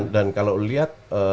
dan kalau lihat